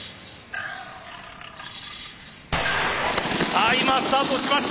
さあ今スタートしました！